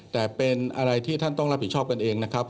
แต่เป็นอะไรที่ท่านต้องรับผิดชอบกันเองนะครับ